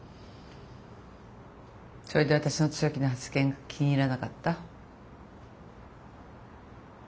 それで私の強気な発言が気に入らなかった？